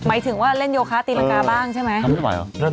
หมายถึงว่าเล่นโยคะตีรังกาบ้างใช่ไหมทำไมไม่ไหวเหรอ